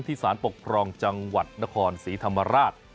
สารปกครองจังหวัดนครศรีธรรมราช